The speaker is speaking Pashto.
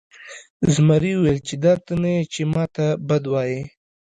زمري وویل چې دا ته نه یې چې ما ته بد وایې.